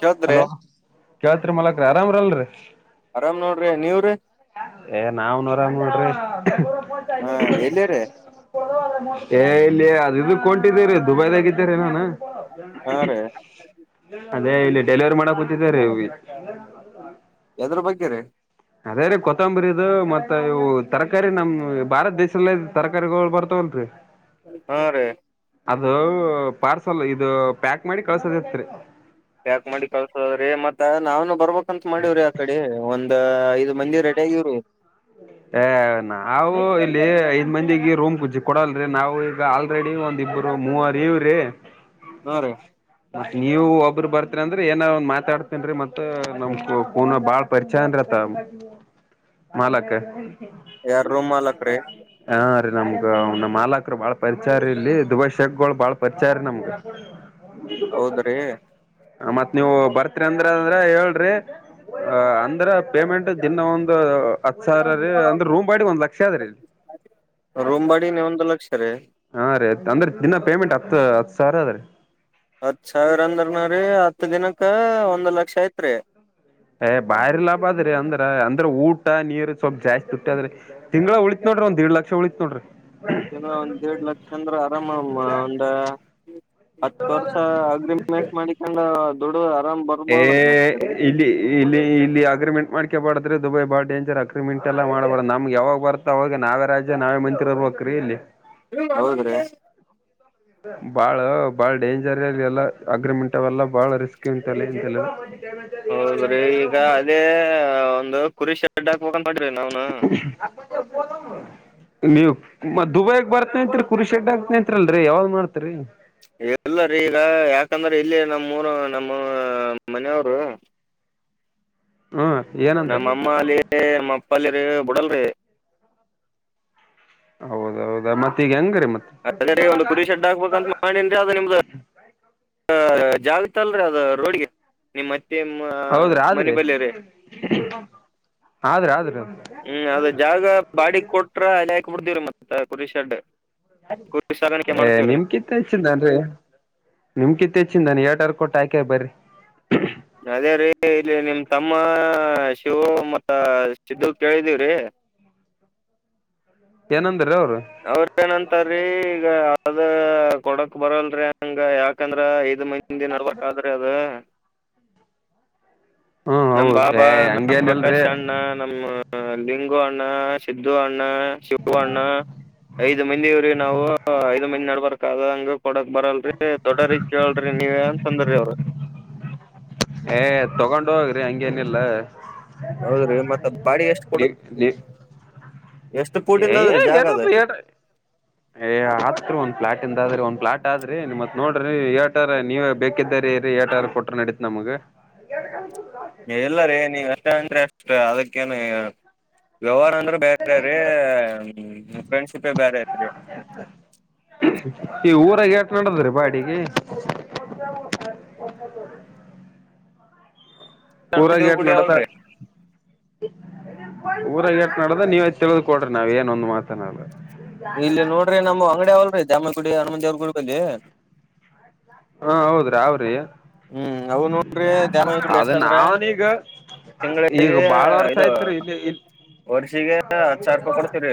ಕೇಳ್ತ್ರಿ hello ಕಳ್ತ್ರಿ ಮಲ ಆರಾಮ್ರಲ್ರಿರಿ ಆರಾಮ್ ನೋಡ್ರಿ ನೀವ್ರಿ ಏ ನಾವು ಆರಾಮ್ ನೋಡ್ರಿ ಹಾ ಎಲ್ಲಿರಿ ಏ ಇಲ್ಲ ಅದು ಇದು ಹೊಂಟಿದ್ದಿರಿ ದುಬೈದಾಗಿದ್ದೆ ರೀ ನಾನು. ಹಾ ರೀ ಅದೇ ಇಲ್ಲಿ ಡೆಲಿವರಿ ಮಾಡಕ್ ಕೂತಿದೆ ರೀ. ಹ [unintelligible] ಎದ್ರ ಬಗ್ಗೆ ರೀ. ಅದೇ ರೀ ಕೊತ್ತಂಬರಿ ಇದು ಮತ್ತ ಇವು ತರಕಾರಿ ನಮ್ ಭಾರತ ದೇಶದಲ್ಲೇ ತರಕಾರಿಗಳು ಬರತಾವಲ್ಲ್ ರೀ ಹಾ ರೀ ಅದು ಪಾರ್ಸಲ್ ಇದು ಪ್ಯಾಕ್ ಮಾಡಿ ಕಳ್ಸದಿತ್ರಿ. ಪ್ಯಾಕ್ ಮಾಡಿ ಕಲ್ಸದ್ರಿ ಮತ್ತ ನಾವುನು ಬರಬೇಕು ಅಂತ ಮಾಡವ್ರಿ ಆಕಡೆ ಒಂದ. ಹಾ ಐದು ಮಂದಿ ರೆಡಿ ಆಗಿವಿರಿ. ನಾವು ಇಲ್ಲಿ ಐದ್ ಮಂದಿಗೆ ರೂಮ್ ಕುೂಜಿ ಕೊಡಲ್ರಿ ನಾವು ಈಗ ಆಲ್. ಆಲ್ರೆಡಿ ಒಂದಿಬ್ಬರು ಮೂವರು ಇವ್ರೀ. ಹುನ್ರಿ ನೀವ ಒಬ್ಬರು ಬರ್ತೀರಿ ಅಂದ್ರೆ ಏನ ಒಂದ್ ಮಾತಾಡ್ತನೀರಿ ಮತ್ ನಮ ಕೂನ ಬಾಳ್. ಪರಿಚಯ ಅದನ ಮಾಲಕ. ಯಾರ್ ರೂಮ್ ಮಾಲಕ್ ರೀ. ಹಾ ರೀ ನಮ್ಗ ಅವ ಮಾಲಕರು ಬಾಳ್ ಪರಿಚಾರ ರೀ ಇಲ್ಲಿ ದುಬೈ ಶೇಕ್ಗಳು ಬಾಳ್ ಪರಿಚಾರ ರೀ ನಮ್ಗ. [inaudible] ಹೌದ್ರಿ ಮತ್ತ್ ನೀವು ಬರ್ತ್ರಿ ಅಂದ್ರ ಅಂದ್ರ ಹೇಳ್ರಿ ಅಂದ್ರ ಪೇಮೆಂಟ್. ದಿನ ಒಂದು. ಹತ್ ಸಾವಿರ ರೀ ಅಂದ್ರೆ ರೂಮ್ ಬಾಡಿಗೆ ಒಂದ್ ಲಕ್ಷ ಆದದ್ರೀ ಇಲ್ಲಿ. ರೂಮ್ ಬಾಡಿನೆ ಒಂದ್ ಲಕ್ಷ ರೀ ಹಾರೀ ಅಂದ್ರೆ ದಿನಾ ಪೇಮೆಂಟ್ ಹತ್ತು ಹತ್ತು ಸಾವಿರ ಅದ್ರೀ. ಹತ್ ಸಾವಿರ ಅಂದ್ರ ನರಿ ಹತ್ ದಿನಕ್ಕ ಒಂದ್ ಲಕ್ಷ ಐತ್ರಿ. ಹೇ ಬಾರಿ ಲಾಭ ಆದದ್ರಿ ಅಂದ್ರ ಅಂದ್ರ ಊಟ ನೀರ್ ಸ್ವಲ್ಪ್ ಜಾಸ್ತಿ ತುಟ್ಟಿ ಆದ್ರಿ. ತಿಂಗಳ ಉಳಿತದ ನೋಡ್ರಿ ಒಂದ್ಡಿಡ್ ಲಕ್ಷ ಉಳಿತ್ ನೋಡ್ರಿ. ದಿನ ಒಂದುದೀಡಲಕ್ಷ ಅಂದ್ರ ಆರಾಮ್ಮ ಒಂದ. ಹತ್ತು ವರ್ಷ ಅಗ್ರಿಮೆಂಟ್ ಮಾಡಿಕೊಂಡ ದುಡಿದ ಆರಾಮ್ ಬರ. ಏ ಇಲ್ಲಿ. ಇಲ್ಲಿ ಇಲ್ಲಿ ಅಗ್ರಿಮೆಂಟ್ ಮಾಡ್ಕ ಬಬಾರ್ದ್ರೆ ದುಬೈ ಬಾಳ ಡಂಜರ್ ಅಗ್ರಿಮೆಂಟ್ ಎಲ್ಲ ಮಾಡಬಾರ್ದ ನಮಗೆ ಯಾವಾಗ ಬತ. ಹಾಗ ನಾವೇ ರಾಜ್ಯ ನಾವೇ ಮಂತ್ರಿ ಇರ್ಬೇಕ್ರೀ ಇಲ್ಲಿ. ಹೌದ್ರಿ ಬಾಳ ಬಾಳ ಡೇಂಜರ್ಲ್ಲಿ ಎಲ್ಲಾ ಅಗ್ರಿಮೆಂಟ್ ಅವಲ್ಲ ಬಾಳ ರಿಸ್ಕ್ ಇಂತಲ್ಲಿ. ಹೌದ್ರಿ ಈಗ ಅದೇ ಒಂದು ಕುರಿ ಶೆಡ್ ಹಾಕಬೇಕು ಅಂತ ಮಾಡ್ರಿ ನಾವ್. [inaudible] ನೀವ್ ಮತ್ ದುಬೈಗ್ ಬರ್ತತ್ರಿ ಕುರಿಶೆಡ್ ಆಗ್ತತ್ರಿ ಅಲ್ರರಿ ಯಾವ್ದ್ ಮಾಡ್ತರಿ. ಎಲ್ಲರೀ ಈಗ ಯಾಕಂದ್ರ ಇಲ್ಲಿ ನಮ್ಮೂರು ನಮ್ಮ ಮನೆಯವರು. ಹ್ಮ ಏನಂತ ನಮ್ಮ ಅಮ್ಮ ಅಲ್ಲಿ ನಮ್ಮ್ ಅಪ್ಪ ಅಲ್ಲಿ ರೀ ಬುಡಲ್ರಿ. ಹೌದೌದಾ ಮತ್ತೆ ಈಗ ಹೆಂಗರಿ ಮತ್ತೆ. ಅದರೀ ಒಂದು ಕುರಿ ಶೆಡ್ ಹಕ್ಬೇಕಂತ ಮಾಡಿನ್ರಿ ಅದು ನಿಮ್ದ್. ಜಾಗತ ಅಲ್ರರಿ ಅದ ರೋಡ್ಗೆ ನಿಮ್ಮ್ ಮತ್ತೆ ಮನೆ ಬಲ್ಲಿ ರೀ. ಆದ್ರೆ ಆದ್ರೆ. ಹ್ಮ್ ಅದ ಜಾಗ ಬಾಡಿ ಕೊಟ್ರ ಅಲ್ಲ ಹಾಕ್ ಬಿಡ್ತೀವಿರಿ ಮತ್ತ ಕುರಿಶೆಡ್. ಅ ನಿಮ್ಮಕ್ಕಿಂತ ಹೆಚ್ಚಿಂದನ್ರಿ ನಿಮ್ಕಿಂತ ಹೆಚ್ಚಿನಾನ ಏಟರ್ ಕೊಟ್ಟು ಆಕೆ ಬರಿ. ಅದೇರೀ ಇಲ್ಲಿ ನಿಮ್ ತಮ್ಮ ಶಿವು ಮತ್ತ ಸಿದ್ದು ಕೇಳಿದೀವ್ರಿ. ಏನಂದ್ರ ಅವ್ರು. ಅವ್ರ ಏನಂತಾರೀ ಈಗ ಅದ. ಕೊಡಕ್ಬರಲ್ರಿ ಹಂಗ ಯಾಕಂದ್ರ ಐದ್ ಮೈಂದಿ ನಡ್ಬಾದ್ರಿ ಅದ. ಹ್ಮ್ ನಮ್ ಹೌದು ಬಾಬಾ ಏ ನಮ್ಮ್ ಪ್ರಕಾಶ್ ಹಂಗೇನಿಲ್ರಿ ಅಣ್ಣ ನಮ್ಮ ಲಿಂಗು ಅಣ್ಣ. ಸಿದ್ದು ಅಣ್ಣ ಶಿವ ಅಣ್ಣ ಐದು ಮಂದಿಅವ್ರಿ ನಾವು. ಹ ಐದು ಮಂದಿ ನಡ್ಬಬೇಕಕ್ದ ಹಂಗ ಕೊಡಕ್ ಬರಲ್ರಿ ದೊಡ್ಡ ರೀ ಕೇಳಲ್ರಿ ನೀವ ಅಂತ ಅಂದ್ರೀ ಅವರು. ಏ ತಗೊಂಡ ಹೋಗ್ರಿ ಹಂಗೇನಿಲ್ಲ. ಹೌದ್ರಿ ಮತ್ತ ಬಾಡಿ ಎಷ್ಟ್ ಕೊಡ [unintelligible] ಎಷ್ಟ್ ಪೂಟಿಂದ ಏಯ ಅದ್ರಿ ಜಾಗ ಅದ ಎಡುಬಿ ಎಡ. ಏ್ತ ಒಂದ ಫ್ಲಾಟ್ ಇಂದ ಆದ್ರ ಒಂದ್ ಫ್ಲಾಟ್ ಆದ್ರಿ ನಿಮ್ತ್ ನೋಡ್ರಿ ರೆಟರ್ ನೀವೇ ಬೇಕಿದ್ದ್ರ ರೆಟರ್. ಕೊಟ್ರ ನಡೀತ ನಮಗ. [inaudible] ಎಲ್ಲರಿ ನೀ ಅಷ್ಟ ಅಂದೆ ಅಷ್ಟ ಅದಕ್ಕೇನು ವ್ಯವಹಾರ. [unintelligible] ಬೇರೆ ರೀ ಫ್ರೆಂಡ್ ಇದ್ದಾಗ ಬೇರೆ ಐತ್ರಿ. ಈ ಊರಾಗ ಹಳ್ತ ನಡದ್ರೀ ಬಾಡಿಗೆ. ಹನುಮನ್ ಊರಾಗ ದೇವ್ರ ಎಟ್ ಗುಡಿ ಮಾಡತಾರ. ಅವಲ್ರಿ ಊರಾಗ ಏಟ್ ನಡ್ದ ನೀವ ತಿಳಿದ್ಕ ಕೊಡ್ರಿ ನಾವ ಏನೊಂದ್ ಮಾತನಾಲ್ಲ. ಇಲ್ಲಿ ನೋಡ್ರಿ ನಮ್ ಅಂಗಡಿ ಅವಲ್ರಿ ದಾಮನ್ಗುಡಿ ಹನುಮಂದಿ ಅವ್ರರುುಡ್ಲ್. ಹಾ ಹೌದ್ರಿ ಅವ್ರಿ. ಹ್ಮ್ ಅವ ನೋಡ್ರಿ ದಾಮಡ್ ಅದ ಎಷ್ಟ ಅಂದ್ರ. ನಾವನೀಗ ಈಗ ತಿಂಗಳಿಗೆ ಬಾಳ ವರ್ಷ ಇದು ಆಯ್ತ್ರಿ ಇಲ್ಲಿ ಇ ವರ್ಷಿಗೆ ಹತ್ತು ಸಾವ ರೂಪಾಯಿ ಕೊಡ್ತೀರಿ.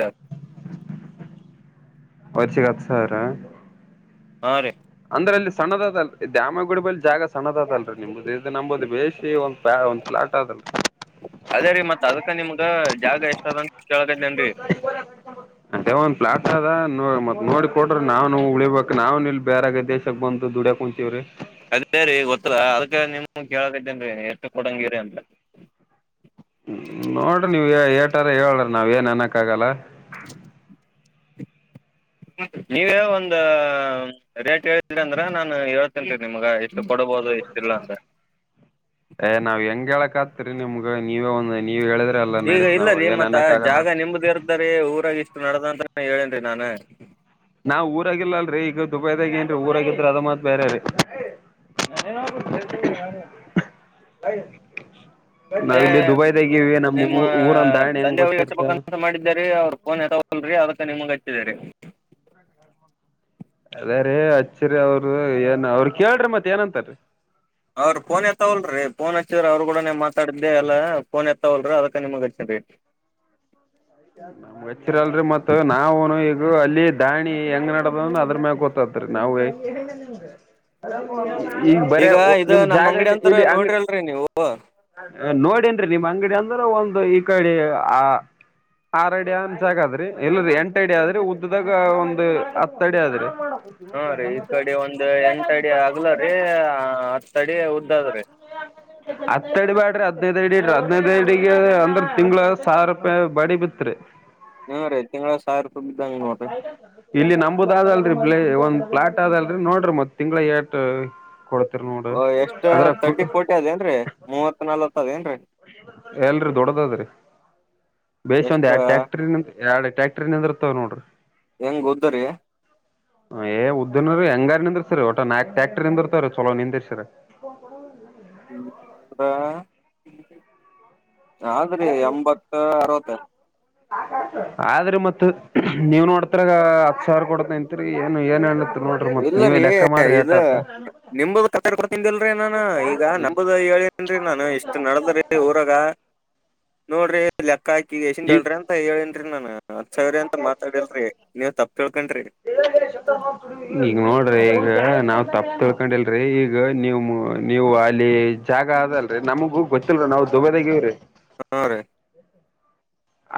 ವಚ್ಚಿಗ ಹತ್ತ ಸಾವಿರ. ಹಾ ರೀ. ಅಂದ್ರೆ ಅಲ್ಲಿ ಸಣ್ಣದಲ್ ದ್ಯಾಮ ಗುಡ ಬಿ ಜಾಗ ಸಣ್ಣದಲ್ರರಿ ನಿಮ್ದ ಇದ ನಂಬೋದು ಬೇಶಿ ಒ. ಬ ಒಂದುಲಾಟ್ ಅದಲ್ಲ. ಅದೇ ರೀ ಮತ್ ಅದಕ್ಕ ನಿಮ್ಗ ಜಾಗ ಎಷ್ಟ ಅದಂತ ಕಳ್ಗದೇನ ರಿ. [inaudible] ಅ ಒಂದು ಪ್ಲಾಟ್ ಅದ ಮತ್ತ ನೋಡಿ ಕೊಡ್ರೆ ನಾವವು ಉಳಿಬೇಕ ನಾ್ ಇಲ್ ಬೇರೆ ದೇಶಕ್ಕೆ ಬಂದು ದುಡ ಕು. [unintelligible] ಅದೇ ರೀ ಗೊತ್ತಲ್ಲಾ ಅದಕ್ಕೆ ನಿಮ ಕೇಳದಿದ್ದೇನ್ರಿ ಎಷ್ಟು ಕೊಡಂಗಿರಿ ಅಂತ ಹ್ಮ ನೋಡ್ರಿ ನೀವ ಏಟಾರ ಹೇಳ್ರಿ ನಾವ್ ಏನ್ ಅನಕ್ಕ ಆಗಲ್ಲ. [inaudible] ನೀವೇ ಒಂದ ರೇಟ್ ಹೇಳಿದ್ರಿ ಅಂದ್ರ ನಾನ್ ಏಳ್ ತಿಂತೀರಿ ನಿಮ್ಗ. ಇಷ್ಟು ಕೊಡಬಹುದು ಇಲ್ಲೇ ಬಿಡ ಇಷ್ಟಿಲ್ಲ ಅಂತ ಪರವಾಗಿಲ್ಲ. ಏ ನಾವ್ ಹೆಂಗ್ ಹೇಳಕ್ ಆತ್ರಿ ನಿಮ್ಗ ನೀವೇ ಒಂದ್ ನೀವ ಹೇಳಿದ್ರ. ಈಗ ಇಲ್ಲ ರೀ ಮತ್ತ ಜಾಗ ನಿಂಬ್ದ ಇರ್ತರಿ ಊರಾಗ ಇಷ್ಟು ನಡದ ಅಂತಾನ ಹೇಳೇನ್ರೀ ನಾನ. ನಾವ್ ಊರಾಗಿಲ್ಲ ಅಲ್ರರಿ ಈಗ ದುಬೈದಾಗ ಏನ್ರೀ ಊರಾಗಿದ್ರೆ ಅದ ಮತ್ ಬೇರೆ ರೀ. [inaudible] ಅದೇ ಇಲ್ಲಿ ದುಬೈದಾಗಿವಿ ನಮ್ ನಿಮ್ಮ ಊ ಊರನ್ ದಾಣಿ ಹೆಂಗ್ ತಂದೆ ಅವರು ಹಚ್ಬೆಕ್ ಗೊತ್ತಿರ್ತ ಅಂತ ಮಾಡಿದ್ದಾರೆ ಅವ್ರರು ಫೋನ್ ಯ. ಲ್ರಿ ಅದಕ ನಿಮಗ್ ಹಚ್ಚಿದರಿ. [unintelligible] ಅದೇ ರೀ ಅಚ್ಚರಿ ಅವ್ರು ಏನ್ ಅವ್ರ ಕೇಳ್ರಿ ಮತ್ ಏನಂತಾರ ರಿ. ಅವ್ರ ಫೋನ್ ಎತ್ತವಲ್ರಿ ಫೋನ್ ಹಚ್ಚಿದ್ರ ಅವ್ರು ಕಡ ನೀನ್ ಮಾತಾಡಿದ್ದೆ ಎಲ್ಲ ಫೋನ್ ಎತ್ತವಲ್ರಿ ಅದಕ ನಿಮಗ್ ಹಚ್ಚಿದೇರಿ. [unintelligible] ವಚ್ಚಿರಲ್ರಿ ಮತ್ ನಾವುನು ಈಗ ಅಲ್ಲಿ ದಾಣಿ ಹೆಂಗ್ ನಡದ ಅದ್ರ ಮ್ಯಾಗ ಗೊತ್ತತ್ರಿ ನಾವೂ. ಈಗ ಬರ ಇದ ನಿಮ್ ನಮ್ ಜಾಗ ಅಂಗಡಿ ಇಲ್ಲಿ ಅಂತರ ಇಲ್ಲಿ ಅಂಗಡಿ. ನೋಡ್ರಿಲ್ರರಿ ನೀವು ನೋಡನ್ರಿ ನಿಮ್ ಅಂಗಡಿ ಅಂದ್ರ ಒಂದು ಈ ಕಡೆ ಆ. ಆರ ಅಡಿ ಅನ್ ಸಾಕ್ ಆದ್ರಿ ಎಲ್ಲ ಎಂಟ ಅಡಿ ಆದ್ರಿ ಉದ್ದಾಗ ಒಂದು ಹತ್ತ ಅಡಿ ಆದ್ರಿ. ಹಾ ರೀ ಈ ಕಡೆ ಒಂದು ಎಂಟ ಅಡಿ ಆಗ್ಲ ರೀ ಹತ್ತ ಅಡಿ ಉದ. ಹ್ಮ್. [inaudible] ಹತ್ ಅಡಿ ಬಾಡ್ರಿ ಹದ್ನೈದ್ ಅಡಿ ಇಡ್ರಿ ಹದ್ನೈದ್ ಅಡಿಗೆ ಅಂದ್ರ ತಿಂಗ್ಳ ಸಾವಿರ ರೂಪಾಯಿ ಬಾಡಿ ಬಿತ್ರಿ. ಹ್ಮ್ ರೀ ತಿಂಗಳ ಸಾವಿರ ರೂಪಾಯಿ ಬಿದ್ದಂಗ ನೋಡ್ರಿ. ಇಲ್ಲಿ ನಂಬುದ ಅ ಆದಲ್ರರಿ ಬ್ ಒಂದ್ ಫ್ಲಾಟ್ ಆದದಲ್ರರಿ ನೋಡ್ರಿ ಮತ್ ತಿಂಗಳ ಎಏಟ ಕೊಡ್ತಿರನೋಡು. ಎಷ್ಟ್ ತರ್ಟಿ ಫೋರ್ಟಿ ಅದೇನ್ರಿ ಮೂವತ್ ನಲ್ತ್ ಅದೇನ್ರಿ. ಎಲ್ರಿ ದೊಡ್ಡದದ್ರಿ. ಬೇಸಾ ಒಂದ ಎಷ್ಟ ಎರ ಟ್ಯಾಟ್ರರಿ ಎರಡ್ ಟ್ಯಾಕ್ಟ್ರ ನಿಂದಿರ್ತಾ ಅವ ನೋಡ್ರಿ ಹೆಂಗ್ ಓದರಿ ಏ ಉದ್ದನರೂ ಹೆಂಗಾರ್ ನಿಂದಿರ್ಸರಿ ಒಟ ನಕ್ಟ್ಯಾಟ್ರಿ ನಿರ್ತಾರ ಚಲೋ ನಿಂದಿರ್ಸರಿ. [inaudible] ಹ್ಮ್ ಅಂದ್ರ ಆದ್ರಿ ಎಂಬತ್ತ ಅರುವತ್ತರ. ಆದ್ರೆ ಮತ್ತೆ ನೀವು ನೋಡ್ತರಗ. ಸಾರ್ ಕೊಡ್ತ ನಿಂತಿರಿ ಏನು ಏನ್ ನೋಡ್ರಿ ಮತ್ ನೀವೇ ಇಲ್ಲರೀ ಲೆಕ್ಕ ಮಾಡ್ರಿ ಇದ್ ಎಟ್ ಆತ ನಿಮುದ ಕತ್ತರ್ಕೊತಿಂದಿಲ್ರಿ ನಾನು ಈಗ ನಂಬೋದು ಹೇಳಿ. ಏನ್ರಿ ನಾು ಇಷ್ಟ್ ನಡದ್ರಿ ಊರಾಗ ನೋಡ್ರಿ ಲೆಕ್ಕ ಹಾಕಿ ಎಸ ಈಗ ಹೇಳಳ್ರಿ ಅ. ಹೇಳೇನ್ರಿ ನಾನ್ ಹತ್ತು ಸಾವಿರ ಅಂತಾ ಮಾತಾಡಿಲ್ರರಿ ನೀವು ತಪ್ಪ ತಿಳ್ಕಂಡ್ರಿ [inaudible] ಈಗ ನೋಡ್ರಿ ಈಗ ನಾವು ತಪ್ಪ ತಿಳ್ಕೊಂಡಿಲ್ರರಿ ಈಗ ನೀವು ನೀವು ಅಲ್ಲಿ. ಜಾಗ ಅದಲ್ ರರಿ ನಮಗೂ ಗೊತ್ತಲ್ರ ನಾವು ದುಬೈದಾಗ ಇವ್ರೀ. ಹಾ ರೀ [inaudible]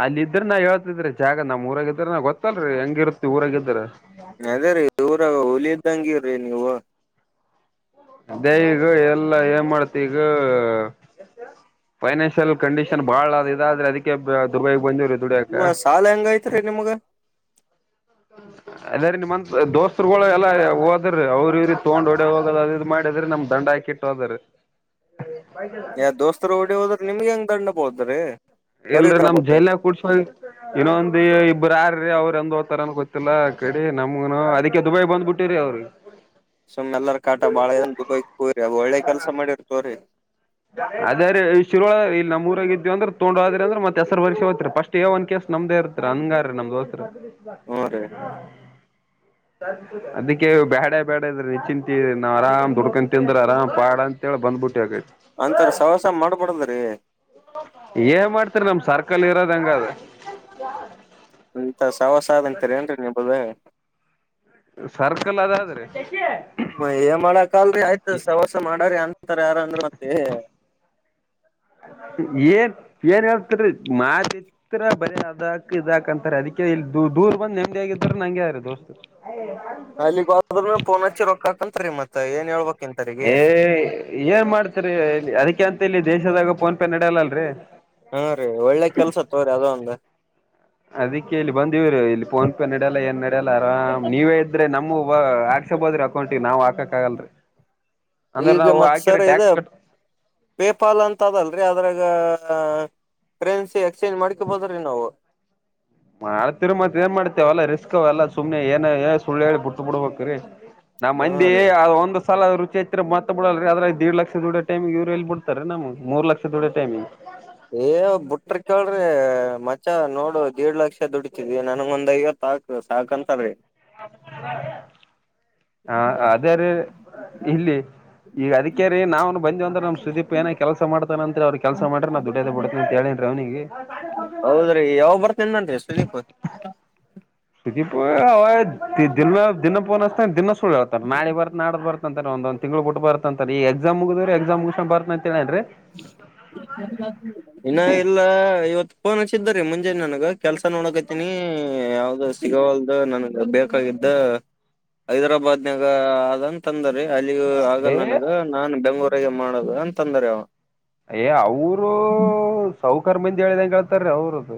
ಅಲ್ಲ ಇದ್ರೆ ನಾ ಹೇಳ್ತಿದ್ರಿ ಜಾಗ ನಮ್ಮ ಊರಾಗಿದ್ರ ನಾವು ಗೊತ್ತಲ್ರಿ ಹೆಂಗಿರುತ್ತತಿ ಊರಾಗಿದ್ರ. ಅದೇ ರೀ ಇವರು ಹುಲಿ ಇದ್ದಂಗಿರಿ ನೀವು. ದೇವಿಗ ಎಲ್ಲಾ ಏನ್ ಮಾಡ್ತಿ ಈಗ. ಫೈನಾನ್ಷಿಯಲ್ ಕಂಡೀಷನ್ ಬಹಳ ಅದೆ ಆದ್ರೆ ಅದಕ್ಕೆ ದುರ್ಬಾಗಿ ಬಂದಿರು. ಸಾಲ ಹೆಂಗ ಐ್ತ್ರ ನಿಮ್ಗೆ [inaudible] ಅ ನಿಮ್ಮ ದೋಸ್ತರುಗಳು ಎಲ್ಲಾ ಹೋದ್ರೆ ಅವ್ರ ಇ ತಗೊಂಡ ಓಡೆ ಹೋಗೋದು ಅದು ಇದು ಮಾಡಿದ್ರೆ ನಮ್ಮ ದಂಡ ಹಾಕಿಟ್ಟು. ಸೋದರು ಯಾ ದೋಸ್ತರ ಓಡಿ ಹೋದ್ರ ನಿಮ್ಗೆ ಹೆಂಗ ದಡ್ಡ ಬಿಳತರಿ. ಎಲ್ರ ನಮ್ಮ ಜಲಿ ಕುಡ್ಸ. ಇನ್ನೊಂದು ಇಬ್ಬರು ಯಾರೀ ಅವ್ರು ಎಂದ್ತಾರನ್ ಗೊತ್ತಿಲ್ಲ ಕಡಿ ನಮಗನು ಅದಕ್ಕೆ ದುಬೈಗೆ ಬಂದ್ಬಿಟ್ಟು. ಟ್ಟರಿ ಅವ್ರಿ ಸುಮ್ಮರ ಕಾಟಾ ಬಾಳ ಜನ್ ದುಬೈಕ್ ಹೋರಿ ಅವ ಒಳ್ಳೆ ಕೆಲ್ಸ ಮಾಡಿರ್ ತೋರರಿ. ಅದೇ ಈ ಶಿರುಳ ಇಲ್ಲಿ ನಮ್ಮೂರಾಗ ಇದಿದೀ ಅಂದ್ರೆ ತೊಂಡದ್ರ ಅಂದ್ರೆ ಮತ್ತ ಹೆಸರು ಬರಿಸಸಿ ಹೋಗ್ರಿ ಪೇಸ್ಟ್. ಷ್ಟೇ ಒಂದ ಕೆೇಸ ನಮ್ದೇ ಇರ್ತ್ ಹನ್ಂಗಾರ ನಮ ದೋಸ್. ಹ್ಞೂ ರೀ [inaudible] ಅದಕ್ಕೆ ಬ್ಯಾಡ ಬ್ಯಾಡ ಇದ್ರೆ ನಿಚಿಂತ ನಾ ಆರಾಮ್ ದುಡ್ಕಂತ ತಿಂದ್ರ ಆರಾಮ್ ಪಾಡ. ಇಲ್ಲ ಬಂದ್ ಬಿಟ್ಟು ಹೇಳ್ರಿ ಅಂತರ ಸವಸ ಮಾಡ್ಬಡದ್ರೀ. ಏನ್ ಮಾಡ್ತರಿ ನಮ್ಮ ಸರ್ಕಲ್ ಇರೋದ್ ಹಂಗೆ ಒಂದ್. [inaudible] ಎಂತಾ ಸವಾಸಾದ ಅಂತೀರಿ ಏನ್ರಿ ನಿಮ್ದು ಸರ್ಕಲ್ ಅದಾದ್ರೆ ಮ ಏ ಮಾಡಕಲ್ರರಿ ಆಯ್ತ ಸವಸ ಮಾಡರಿ ಅಂತಾರ ಯಾರ ಅಂದ್ರ ಮತ್ತ್. ಏನ್ ಏನ್ ಹೇಳ್ತರಿ ಮಾದ. ಬನ್ ಅದಾಕ್ ಇದಾಕ್ ಅಂತಾರೆ ಅದಕ್ಕೆ ಇ ದೂರ್ ಬಂದ್ ನೆಮ್ಮದಿಯಾಗಿದ್ರ ನಂಗೆ ಯಾರ ದೋಸ್ತರ. [inaudible] ಅಲ್ಲಿಗ್ ಬಂದ್ರನು ಪೋನ್ ಹಚ್ಚಿ ರೊಕ್ಕಾಕಂತ ರೀ ಮತ್ತ ಏನ್ ಹೇಳ್ಬೇಕ್. ಇಂತರಿಗೆ. ಏ ಏನ್ ಮಾಡ್ತ್ರಿ ಅದಕ್ಕೆ ಅಂತ ಇಲ್ಲಿ ದೇಶದಾಗ ಫೋನ್ ಪೇ ನಡೆಯಲ್ಲಲ್ರ. ಹ್ಮ್, ರೀ ಒಳ್ಳೆ ಕೆಲ್ಸತ್ತೋಗರಿ ಅದು ಒಂದು. ಅದಕ್ಕೆ ಇಲ್ಲಿ ಬಂದವ್ರು ಇಲ್ಲಿ ಫೋನ್ ಪೇ ನಡೆಯಲ್ಲ ಏನ್ ನಡೆಯಲ್ಲ ಆರಾಮ್ ನೀವೇ ಆದ್ರೆ ನ್ ಆಗ್ಸಬಹದ್ರಿ ಅಕೌಂಟ್ಗೆ ನಾವ್ ಹಾಕಕ್ ಆಗಲ್ರಿ. ಈಗ ಮತ್ಸರ್ ಇದ ಟ್ಯಾಕ್ಸ್ ಕಟ್ ಪೇಪಾಲ್ ಅಂತ ಅದಲ್ ರೀ ಅದ್ರಾಗ ಕರೆನ್ಸಿ ಎಕ್ಸ್ಚೇಂಜ್ ಮಾಡ್ಕೊಬೋದು ರೀ ನಾವು. ಮಾಡತಿರ್ ಮತ್ ಏನ್ ಮಾಡ್ತೇವಲ್ಲಾ ರಿಸ್ಕ್ ಅವ ಎಲ್ಲ ಸುಮ್ನೆ ಏನ ಏ ಸುಳ್ಳ ಹೇಳಿ ಬಿಟ್ಟು ಬಿಡ್ಬೇಕ್ರೀ. ನಮ್ಮ್ ಹಾ ಮಂದಿ ರೀ ಒಂದು ಸಲ ಅದು ರುಚಿ ಐತ್ ಮತ್ ಬಿಡಲ್ರಿದಿಡ್ ಲಕ್ಷ ದುಡಿಯೋ ಟೈಮಿಗೆ ಇವ್ರು ಎಲ್ಲಿ ಬಿ ನಮ್ ಮೂರ್ ಲಕ್ಷ ದುಡ ಟೈಮಿಗ. ಏ ಬುಟ್ರ ಕೇಳ್ರಿ ಮಚ ನೋಡು ದಿಡ್ ಲಕ್ಷ ದುಡತಿದ್ವಿ ನನ್ ಮಂದಐವಾ [unintelligible] ಸಾಕ ಅಂತದ್ರೀ [unintelligible] ಹ ಅದ್ರ ಇಲ್ಲಿ ಈಗ ಅದಕ್ಕೆಾರ [unintelligible] ರೀ ನಾವ್ ಬಂದಿವಂದ್ರ ನಮ್ಮ ಸುದೀಪ್ ಏನ ಕೆಲಸ ಮಾಡತಾನ ಅಂತ್ ಅವ್ ಕೆಲಸ ಮಾಡ್ರ ನಾ ದುಡದೆ ಬಿಡತಿನ ಅಂತ ಹೇಳಿನ್ರಿ ಅವ್ನಿಗೆ. ಹೌದ್ರಿ ಯಾವಾಗ್ ಬರ್ತನಿ ಅಂದಾನ್ರಿ ಸುದೀಪ್. [unintelligible] ಅವ ದಿನ ದಿನ ಪೋನಹಚ್ತಾನ ದಿನ ಸುಳ್ಳಹೇಳತನ ನಾಳೆ ಬರ್ತಿನಿ ನಾಡ್ದ ಬರ್ತಿನಿ. ಅಂತಾರೆ ಒಂದ್ ತಿಂಗಳು ಬುಟ್ಟು ಬರ್ತಂತಾರೆ ಈಗ ಎಕ್ಸಾಮ ಮುಗಿದ್ರ ಎಕ್ಸಾಮ್ ಮುಗ್ಸಿ ಬರ್ ಅಂತ ಹೇಳೇನ್ರಿ. ಹ್ಮ್ಮ [inaudible] ಇನ್ನ ಇಲ್ಲ ಇವತ್ ಫೋನ್ ಹಚ್ಚಿದ್ದರಿ ಮುಂಜಾನೆ ನನಗ ಕೆಲ್ಸ ನೋಡಕತೀನಿ. ಯಾವ್ದ ಸಿಗವಲ್ದು ನನ್ಗೆ ಬೇಕಾಗಿದ್ದ ಹೈದ್ರಾಬಾದ್ನಾಗ ಆದಂತ. ತಂದ್ರ ಅಲ್ಲಿಗ ಏ ಆಗಲ್ಲನಗ ನಾನ್ ಬೆಂಗಳೂರಗ ಮಾಡದು ಅಂತಂದರಿಅವ. ಯ ಅವರು ಸೌಕರಮಂದಿ ಹೇಳಿದ ಹೇಳ್ತಾರೀ ಅವರು.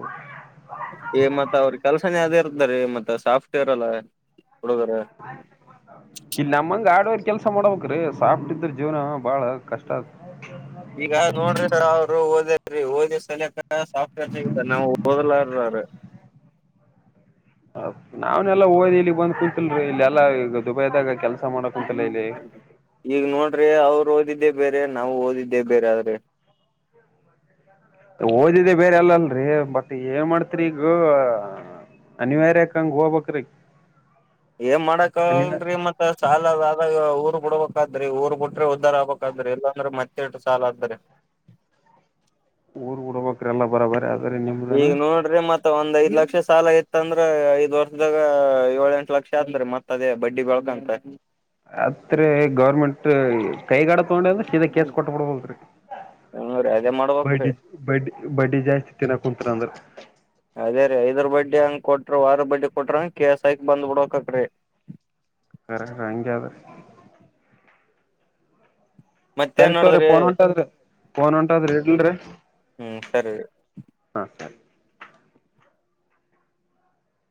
ಈ ಮತ್ ಅವ್ರ ಕೆಲ್ಸನೆ ಅದೇ ಇರ್ತಾದರಿಮತ್ತ ಸಾಫ್ಟ್ವೇರ್ ಎಲ್ಲ ಹುಡುಗರ. ಆ [inaudible] ಇಲ್ ನಮ್ಮಂಗ ಆಡವೇರ್ ಕೆಲ್ಸ ಮಾಡಬೇಕ್ರೀ ಸಾಪಿದ್ರ ಜೀವನ ಬಾಳ ಕಷ್ಟ ಆಗ್ತದ. ಈಗ ನೋಡ್ರಿ ಸರ್ ಅವರು ಓದಿಗೆಸಿ ಓದಿದ ಸಾಫ್ಟ್ವೇರ್ಗ ನಾವು ಓದಲಾರರು- ನಾವ್ನೆಲ್ಲ ಓದಿ ಇಲ್ಲಿಗ್ ಬಂದ್ ಕುಂತಿನ್ರಿ ಇಲ್ಲೆಲ್ಲ ಈಗ ದುಬೈದಾಗ ಕೆಲ್ಸ- ಮಾಡಕ್ ಕುಂತಿಲ್ಲ ಇಲ್ಲಿ ಈಗ ನೋಡ್ರಿ ಅವ್ರು ಓದಿದ್ದೆ ಬೇರೆ ನಾವು ಓದಿದ್ದೆ ಬೇರೆ ಆದ್ರೆ ಓದಿದೆೆ ಬೇರೆ ಎಲ್ಲಲ್ರಿ ಬಟ್ ಏನ್ ಮಾಡ್ತ್ರಿ ಈಗ, ಅನಿವಾರ್ಯಕಂಗ ಹೋಗಬೇಕ್ರೀ ಏನ್ ಮಾಡಕ್ ಹಾಗಲ್ರಿಮತ್ ಸಾಲದ ಆದ ಊರ್ ಬಿಡ್ಬೇಕಾದ್ರಿ ಊರ್ ಬಿಟ್ರೆ ಉದ್ದಾರ್ ಆಗ್ಬಬೇಕಾತದ್ರಿ ಇಲ್ಲಾಂದ್ರೆ ಮತ್ತೆ ಸಾಲ ಅತದ್ರಿ. ಊರ್ ಹುಡಬೇಕ್ರಿಎಲ್ಲ ಬರ ಬರಿ ಆತದ. ಈಗ ನೋಡ್ರಿ ಮತ್ತೆ ಒಂದ್ಐದ ಲಕ್ಷ ಸಾಲ ಇತ್ತ ಅಂದ್ರೆ ಐದ ವರ್ಷದಾಗ ಏಳ ಎಂಟ ಲಕ್ಷ ಅಂದ್ರೀ ಮತ್ತ ದ ಬಡ್ಡಿ ಬೆಳಕಂತ. ಅತ್ರಿ ಗೌರ್ಮೆಂಟ್ ಕೈಗಾಡ ತಗೊಂಡೆ ಅಂದ್ರ ಸೀದಾ ಕೇಸ್ ಕೊಟ್ಟ ಬಿಡ್ಬೇಕ್ರಿ. ಹ ಅೇ ಮಾಡ [unintelligible] ಬಡ್ಡಿ ಬಡ್ಡಿ ಬಡ್ಡಿ ಜಾಸ್ತಿ ತಿನ್ನ ಕುಂತರ ಅಂದ್ರ- ಅದೇ ರೀ ಐದರ ಬಡ್ಡಿ ಹಂಗ ಕೊಟ್ರ ಆರ ಬಡ್ಡಿ ಕೊಟ್ರಂಗ ಕೆಸ್ ಆಕಿ ಬಂದಬಿಡಕ್ರೀ. ರಗೆಾದ [unintelligible] ಮತ್ತೇನ್ ಸರಿತೋರಿ ನಡದ್ರಿ ಫೋನ್ ಹೊಂಟದ್ರಿ ಫೋನ್ ಹೊಂಟಾದ್ರಿ ಇಡಲ್ರಿ. ಹ್ಮ್ ಸರಿ ರೀ. ಹಾ ಸರಿ